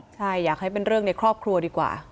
ใช่อยากให้เป็นเรื่องในครอบครัวดีกว่า